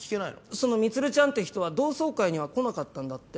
その充ちゃんって人は同窓会には来なかったんだって。